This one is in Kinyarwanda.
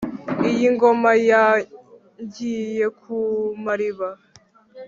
iyi ngoma ya ngiye-ku-mariba